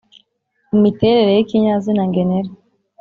Imiterere y ikinyazina ngenera